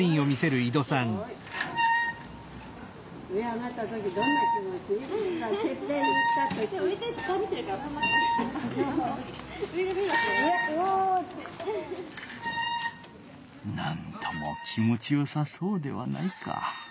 なんとも気持ちよさそうではないか。